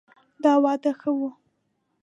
دا واده ښه ؤ